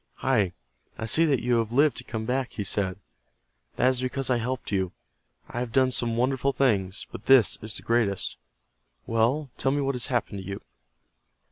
"Hi, I see that you have lived to come back," he said. "That is because I helped you. I have done some wonderful things, but this is the greatest. Well, tell me what has happened to you."